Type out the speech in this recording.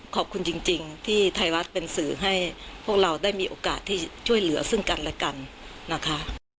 ขอบคุณจริงที่ไทยรัฐเป็นสื่อให้พวกเราได้มีโอกาสที่ช่วยเหลือซึ่งกันและกันนะคะ